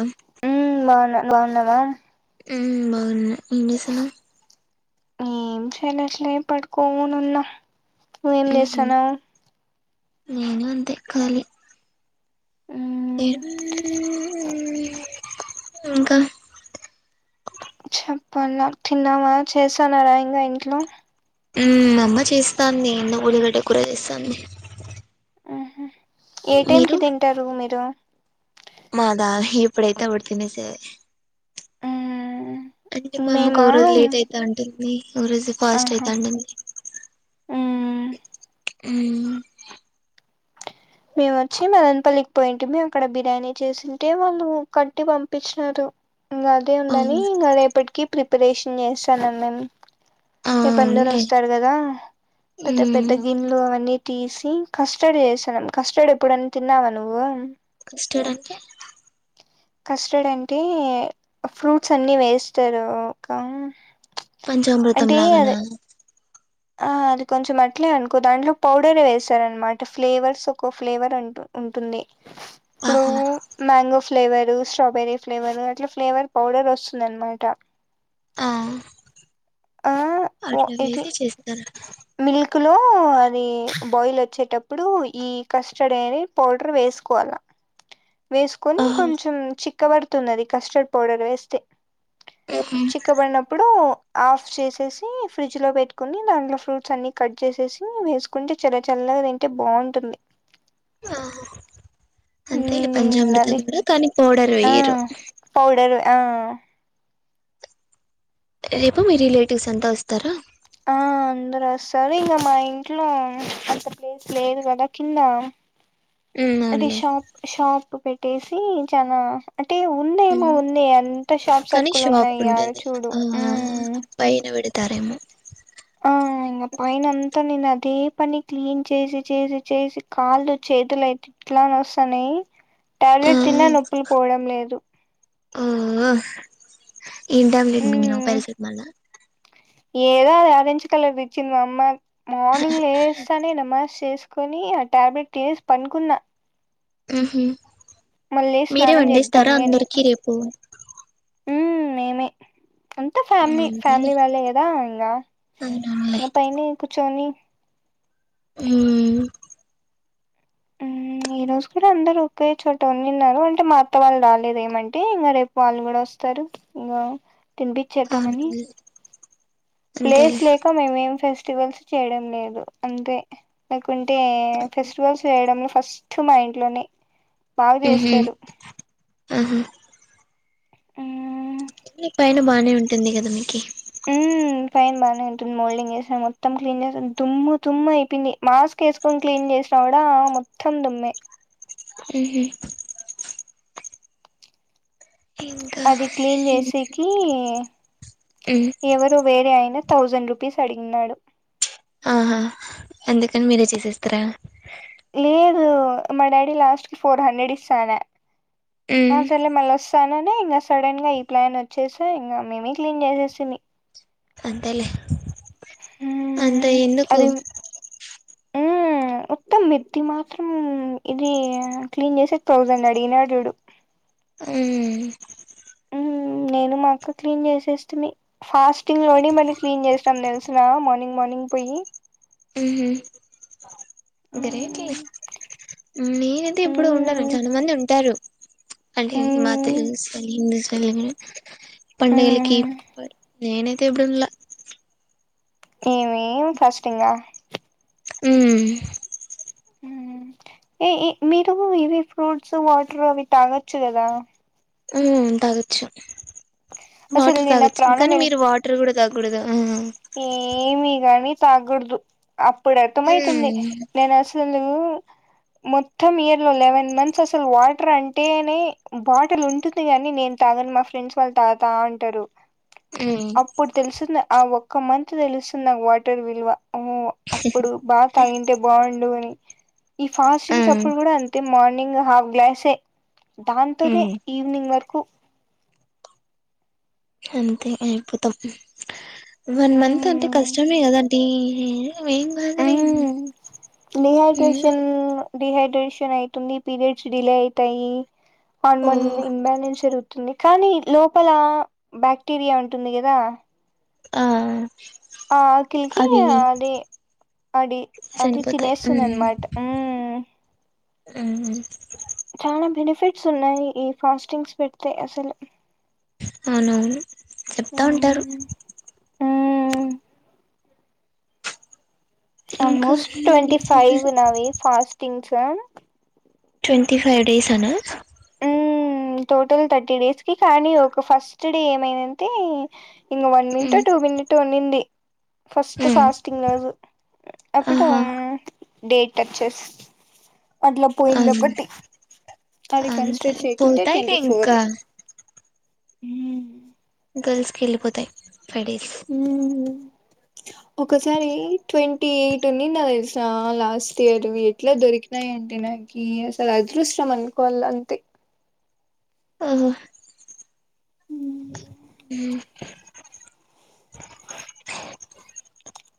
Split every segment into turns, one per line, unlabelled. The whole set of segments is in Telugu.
ఆ
బాగుందవా
బాగు ననేసిన
ఏం చేయలేట్లే పడుకోను ఉన్నా నువ్వేం
ఉహు
చేసానువు్
నేను అంతే కాాలి
ఉమ్
ఇంకా
చెప్పం నా తిన్నావా చేసాను రా ఇంకా ఇంట్లో
అమ్మ చేస్తాంది ఎన్నో గుడిగడ్డ కూర చేస్తాంది
హ ఏ
మీరు
టైంకి తింటారు మీరు
మాదా ఇప్పుడైతబడ్తన స
ఉమ్
అంటే మా అమ్మకు
మేమా
ఓ రోజు లేట్ అవుత ఉంటుంది ఓ రోజు ఫాస్ట్
ఆహా
అవుత ఉంటుంది
ఉమ్
అ
మేము వచ్చి మెదన్పల్లికి పోయింటి మము అక్కడ బిర్యానీ చేసింటే వాళ్ళు కట్టి పంపించినారు ఇ అదే ఉందని
అవును
ఇంకా రేపటికి ప్రిపరేషన్ చేస్తానం మేము
ఆ
రపు అందరు
అవునులే
వస్తారు కదా పెద్ద
ఉమ్
పెద్ద గిన్లు అవన్నీ తీసి కస్టర్డ్ చేసాన్నాం కస్టర్డ్ ఎప్పుడని తిన్నావా నువ్వు
ఇస్డాక
కస్టర్డ్ అంటే ఫ్రూట్స్ అన్ని వేస్తారు ఒక
పంచామృతం
అంటే
లాగనా
అదే ఆ అది కొంచెం అట్లే అనుకో దాంట్లో పౌడర్ వేసారనమాట ఫ్లేవర్స్ ఒక ఫ్లేవర్ ఉంటు ఉంటుంది ఇప్పుడు
ఆహా
మ్యాంగో ఫ్లేవరు స్ట్రాబెరీ ఫ్లేవరు అట్లా ఫ్లేవర్ పౌడర్ వస్తుందినమాట
ఆ
ఓ
అట్లా
ఇది
వేసి చేస్తారా
మిల్క్ లో అది బాయిల్ వచ్చేటప్పుడు ఈ కస్టర్డ్ అనేది పౌడర్ వే స్కోవాలా వేసుకొని
ఆహా
కొంచెం చిక్కబడుతుంది కస్టర్డ్ పౌడర్ వేస్తే
ఉహు
చిక్కబడినప్పుడు ఆఫ్ చేసేసి ఫ్రిడ్జ్ లో పెట్టుకుని దాంట్లో ఫ్రూట్స్ అన్ని కట్ చేసేసి వేసుకుంటే చాలా చల్ గా తింటే బాగుంటుంది
ఆహా అంతే లే
మ్మ్
పంజామృతం
అది
కూడా కానీ పౌడర్
ఆ
వేయరు
పౌడర్ ఆ
రేపు మీ రిలేటివ్స్ అంతా వస్తారా
ఆ అందరు వస్తారు ఇంకా మా ఇంట్లో అంత ప్లేస్ లేదు కదా కింద
ఉమ్,
అంటే
అవునులే
షాప్ షాప్ పెట్టేసి చాలా అంటే ఉందేమో
ఉమ్,
ఉంది అంతా షాప్
కానీ
సర్కుల్
షాప్
ఉన్నాయి యాడ
ఉంటుంది
చూడు
తారేమో
ఇంకా పైన అంతా నిన్న అదే పని క్లీన్ చేసి చేసి చేసి కాళ్ళు చేతులైత ఇట్లా నస్తన్నాయి
ఆ,
టాబ్లెట్ తిన్నా నొప్పులు పోవడం లేదు
ఆ ఆ ఏం ట్యాబ్లేెట్ మింగినవ్
మ్మ్
పారసీతమల్ ఆ
ఏదో అది ఆరెంజ్ కలర్ దిచ్చింది మ అమ్మా మార్నింగ్ లేస్తనే నమాజ్ చేస్ కొని ఆ టాబ్లెట్ తినేసి పనుకున్నా
ఉమ్ హ్మ్
మళ్ళీ లేసి
మీరే
స్నానం
వండేస్తారా అందరికి రేపు
ఉమ్ మేమే అంతా ఫ్యామిలీ
అంతేలే
ఫ్యామిలీ వాళ్ళే కదా ఇంగా
అవునవునులే
ఇంకా పైనే కూర్చొని
ఉమ్
ఇంకా ఈ రోజు కూడా అందరూ ఒకే చోట వున్నిన్నారు అంటే మా అత్త వాళ్ళు రాలేదు ఏమంటే ఇంకా రేపు వాళ్ళు కూడా వస్ స్తారు ఇంకా తినిపించేద్దామని
అవునవునులే
ప్లేస్
అంతేలే
లేక మేమేం ఫెస్టివల్స్ చేయడం లేదు అంతే లే కుంటే ఫెస్టివల్స్ చేయడంలో ఫస్ట్ మా ఇంట్లోనే బాగా
ఉహుం,
చేస్తారు ఉమ్
అంతేలే పైన బానే ఉంటుంది కదా మీకి
ఉమ్ పైన బానే ఉంటుంది మోల్డింగ్ ఎస్నామ్ మొత్తం క్లీన్ చేస్ దుమ్ము దుమ్ము అయిపోయింది మాస్క్ ఎసుకొని క్లీన్ చేసినా కూడా మొత్తం దుమ్మే
ఉమ్ హ్మ్
అది క్లీన్ చేసేకి
ఉమ్,
ఎవరు వేరే అయినా థౌజండ్ రూపీస్ అడిగినడు
ఆహా అందుకని మీరే చేసేస్తిర
లేదు మా డాడీ లాస్ట్ కి ఫోర్ హండ్రెడ్ ఇస్తా అనా ఆ
ఉమ్,
సర్లే మల్ల వస్తా అనా ఇంకా సడన్ గా ఈ ప్లాన్ వచ్చేసా ఇంకా మేమే క్లీన్ చేసేస్తిమి
అంతేలేే అంతా
మ్మ్
ఎందుకు
ఆ ఒక మిది మాత్రం ఇది క్లీన్ చేసేకి తౌసండ్ అడిగినాడు చూడు
ఉమ్
ఉమ్ నేను మా అక్క క్లీన్ చేసేస్తిమి ఫాస్టింగ్ లో ఉండి మళ్ళీ క్లీన్ చేసినం తెల్సా నా మార్నింగ్ మార్నింగ్ పోయి
ఉమ్ గ్రేట్ లే
మ్మ్
నేనైతే ఇప్పుడు ఉండను
మ్మ్
చాలా మంది ఉంటారు అంటే మా
మ్మ్
తెలుగూస్ వాలు హిందూస్ [unintelligible] పండగలకి
మ్మ్
నేనైతే ఎబ్బుడిండ్లా
[unintelligible] ఫస్ట్ ఇంగా
ఉమ్
ఏ ఏ మీరు ఇవి ఫ్రూట్స్ వాటర్ అవి తాగచ్చు గదా
ఉమ్ తాగచ్చు
అసలు
వాటర్
నిన్న
తాగచ్చు
ప్రాణం
కానీ మీరు వాటర్ కూడా తాగ్గూడద
ఏమీ గాని తాగ్గుడుదు అప్పుడు అర్థమైతుంది
మ్మ్
నేను అసు లూ మొత్తం ఇయర్ లో లెవెన్ మంత్స్ అసలు వాటర్ అంటేనే బాటిల్ ఉంటుంది గాని నేను తాగను మా ఫ్రెండ్స్ వాళ్ళు తాతా వుంటరు
మ్మ్
అప్పుడు తెలుస్తుంది ఆ ఒక్క మంతు తెలుస్తుంది ఆ వాటర్ విల్వ ఓ అప్పుడు బాగా తాగింటే బాండు అని ఈ
ఆ
ఫాస్టింగ్స్ అప్పుడు గుడా అంతే మార్నింగ్ హాఫ్ గ్లాసే దాంతోనే
మ్మ్
ఈవినింగ్ వరకు
అంతే అయిపోతాం వన్ మంత్ అంటే కష్టమే గద [unintelligible]
ఊ
మ్మ్
డిహైడ్రేషన్ డిహైడ్రేష్ షన్ అయితుంది పీరియడ్స్ డిలే అయితాయి
ఓ
హార్మోన్ ఇంబాలెన్స్ అవుతుంది కానీ లోపల బాక్టీరియా ఉంటుంది గదా
ఆ
ఆకలి కి
అవి
అది అడి అది
చనిపోతాయి
తినేస్తుంది అన్ మాట ఊ
ఆ
చాలా బెనిఫిట్స్ ఉన్నాయి ఈ ఫాస్టింగ్స్ పెడితే అసలు
అవునవును చెప్తా ఉంటారు
మ్మ్ మ్మ్
ఇంకా
ఆల్మోస్ట్ ట్వ ఫైవ్ నావి ఫాస్టింగ్సు
ట్వంటీ ఫైవ్ డేస్ అనా
ఉ టోటల్ థర్టీ డేస్ కి కానీ ఒక ఫస్ట్ డే ఏమైందంటే ఇంగ వన్ మినిటో టూ మినిటొ ఉన్నింది ఫస్ట్
ఉమ్
ఫాస్టింగ్ రోజు అప్పుడు
ఆహా
డేట్ టచ్చెస్ అట్ల పోయింది
అవును
ఒకటి అది కన్సిడర్ చేయ్యకు
[unintelligible] ఇంక
హు
గర్ల్స్ కి ఎళ్ళిపోతాయ్ ఫైవ్ డే
ఊ ఉ ఒకసారి ట్వంటీ ఎయిట్ ఉంన్నిండ దెలుసా లాస్ట్ ఇయర్ ఎట్లా దొరికినాయ్ అంటే నా నాకి అసలు అదృష్ట్యం అనుకోల్ల అంతే
అవ్వ
ఇంగా
హు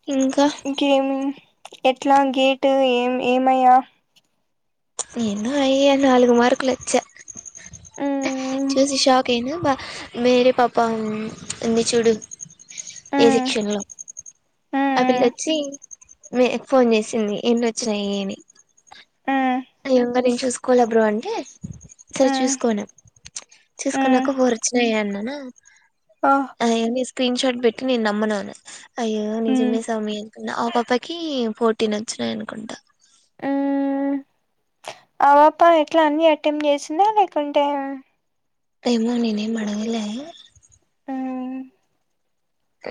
ఇంకేమి ఎట్లా గేటు ఏం ఏమయ్యా
ఏందో అయ్య నాలుగు మార్కులు వొచ్చా
మ్మ్
చూసి షాక్ అయినా బ మేరే పాప ఉంది చూడు ఏ
మ్మ్
షక్షణ్ లో ఆ
మ్మ్
పిల్లొచ్చి వె ఫోన్ జేసింది ఏన్నొచ్చాయి అని
ఆ
అయ్యో ఇంగా నేన్ చూసుకోవాల బ్రో అంటే సరే చూసుకో అన చూసుకున్నాక ఫోర్ వొచ్చినాయే అన్నానా అయ్యోని స్క్రీన్షాట్ పెట్టి నను నమ్మనవను అయ్యో
మ్మ్
నిజమే స్వామియ అంత ఆ పాపకి పోటీ నచ్చినాయి అనుకుంటా
అవాపా ఎట్లా అన్ని అటెంప్ట్ చేసిందా లేకుంటే
అేమో ననే ఏం మంగల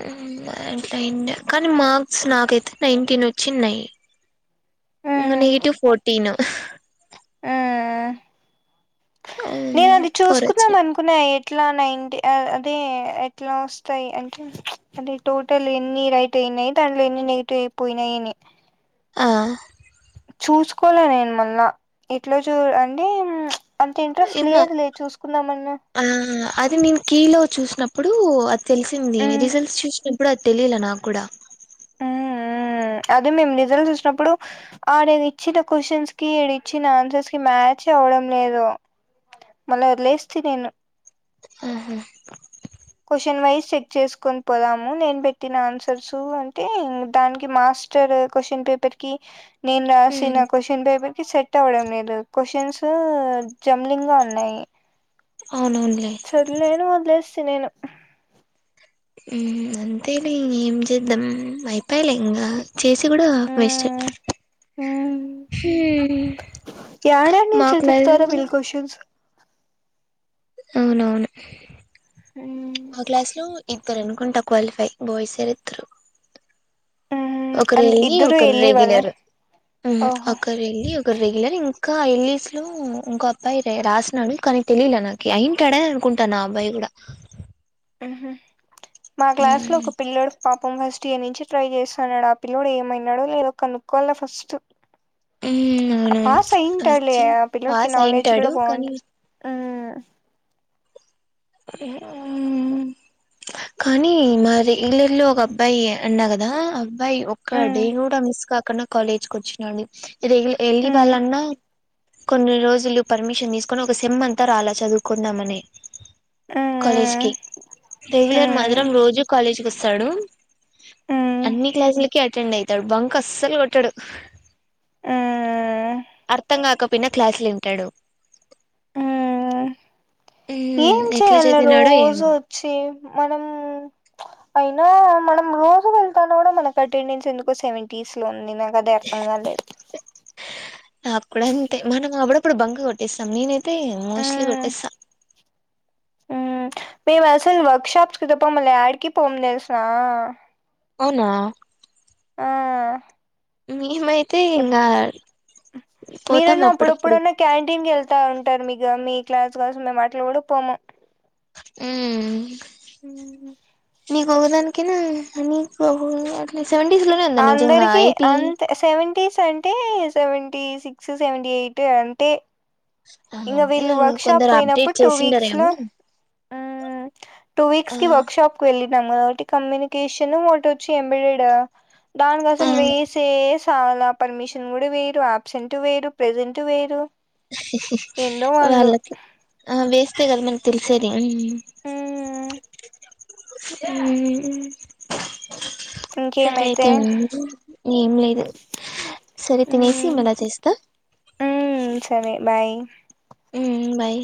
అట్ల కానీ మార్క్స్ నాకైతే నైన్టీన్ వచ్చిన్నాయి అనుయి ూ ఫోర్టీన్
ఆ నేను
హ్మ్.
అది
ఫోర్
చూసుకున్నాాం
వచ్చినాయి
అనుకున్నా ఎట్లా నైంటి అదే ఎట్లా వస్తాయి అంటే అదే టోటల్ ఎన్ని రైట్ యియి దాట్లో ఎన్ని నెగిటివ్ అయిపోయినాయియని
ఆ
చూసుకోలే నేను మళ్ళా ఎట్లా చూ అంటే అంత ఇంట్రెస్ట్
ఏమో
లేదు లేదు చూసుకున్నాామన్న
కీ లో చూసినప్పుడు అది తెలిసింది రిజల్ట్స్ చూసినప్పుడు అది తెలియాల నాకు కూడా
అదే మేము నిజల్ట్ చూసినప్పుడు ఆడ ఇచ్చిన క్వశ్చన్స్ కి ఇచ్చిన ఆన్సర్స్ కి మ్యాచ్ అవ్వడం లేదు మళ్ళ లేస్తే నేను
ఆహా
న్ వైస్ చెక్ చేసుకొని పోదాము నేను పెట్టిన ఆన్సర్స్ అంటే దానికి మాస్టర్ క్వశ్చన్ పేపర్ కి నేను
ఉమ్,
రాసిన క్వశ్చన్ పేపర్ సెట్ అవ్వడం లేదు క్వచన్స్ జంలింగ్ గా ఉన్నాయి
అవునవునులే
చదు నేను మద్లేస్తస్త నేను
అంతేలే ఏం చేద్దాం అయిపోయిలే ఇంకా చేసి కూడా వేస్ట్
మ్మ్ మ్మ్
హ
యాడా నుంచి
మాకులా
వెతుకుతారో వీళ్ళు క్వశ్చన్స్
అవునవును
అ
మా క్లాస్ లో ఇద్దరు అనుకుంటా క్వాలిఫై బాయ్స్ేర్ ఇద్దరు ఒకరు
మ్మ్
వెళ్ళి
ఇద్దరు
ఒకరు
ఎళ్ళి వాళ్ళే
రెగ్యులర్
ఓహో
ఒకరు వెళ్ళి ఒకరు రెగ్యులర్ ఇం ఇంకా ఎల్లీస్ లో ఇంక అబ్బాయి రాసినడు కానీ తెలియలే నాకు అయింటాడని అనుకుంటాను నా అబ్బాయి కూడా
మా క్లాస్ లో ఒక పిల్లోడు పాపం ఫస్ట్ నుంచి ట్రై చేస్తుాన్నాడు ఆ పిల్లుడు ఏమైనాడు లేదొ ఒక నక్కల్ల ఫస్ట్ ఆ
అవునవును
పాస్ అయింటారులే
వచ్చి
ఆ పిల్లలకి
పాస్
నాలెడ్జ్ కూడా
అయింటాడు కానీ
బాగుంటా ఆ
కానీ మరి వల్లల్లో ఒక అబ్బాయి అన్నా కదా బై్ ఒక్క
ఉమ్
డే కూడా మిస్ కాకుండా కాలేజ్ కు వచ్చినండు వెళ్ళి ఇ
ఉమ్
వాళ్ాలన్నా కొన్ని రోజులు పర్మిషన్ తీసుకొని ఒక సిెమ్ అంతా అలా చదువుకుందామని కాలేజ్
ఉమ్
కి రెగ్యులర్ మధురం
ఉమ్
రోజూ కాలేజకిి వస్తాడు
ఉమ్
అన్ని క్లాసులకి అటెండ్ అయితాడు బంక అస్సలు కొట్టాడు
ఉమ్
అర్థం కాకపోయినా క్లాసులు వింటాడు అ
చేేయాల రోజు వచ్చి మనం అయినా మనం రోజు వెళ్తాన కూడా మనకు అటెండెన్స్ ఎందుకో సెవెంటీస్ లో ఉంది కథేర్కంద
నాప్పుడ అంతే మనం ఆవిడప్పుడు బంగ కొట్టేస్తాం నేనైతే మోస్ట్లీ
ఉమ్
కొట్టేస్తాను
మేము అసలు వర్క్ షాప్స్ కి తప్ప మళ్ళ డికి పోము తెసిన
అనా మీమై
ఎప్
పోతాం
మీరన్నా
అప్పుడప్పుడు
అప్పుడప్పుడన్న క్యాంటీన్ కెళ్తారు ఉంటారు మీకు మీ క్లాస్ కోసం మేము అట్ల కూడా పోము
ఉమ్
ఉమ్
నీకు ఒకదానికేనా నీకు అట్ల సెవెంటీస్ లోనే ఉంద నిజంగా
అందరికి
ఎయిటీ
అంతే సెవెంటీస్ అంటే సెవెంటీ సిక్స్ సెవెంటీ ఎయిట్ అంటే ఇంకా
అంతే
వీళ్ళు వర్క్షాప్
కొందరు
పోయినప్పుడు
అప్డేట్
టూ వీక్స్ లో
చేసింటారేమో
ఉమ్ టూ
ఆ
వీక్స్కి వర్క్షాప్కు వెళి ఒకటి కమ్యూనికేషన్ ఒకటిొచ్చి ఎంబిడ్ దానికి
ఆ
అసలు వేసేస్ చాలా పర్మిషన్ కూడా వేయరు అబ్సెంట్ వేయరు ప్రజెంట్ వేయరు ఏందో వాళ్ళు
వాళ్ళకి వేస్తే కదా మన తెలిసేది మ్
ఉమ్
ఉమ్ సరే
ఇంకేమైతే
అయితే ఉండి ఏం లేదు సరే తినేసి
ఉమ్
మళ చేస్తా
ఉమ్ సరే బాయ్
మ్ బాయ్